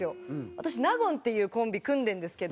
私納言っていうコンビ組んでるんですけど。